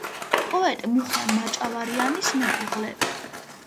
პოეტ მუხრან მაჭავარიანის მეუღლე.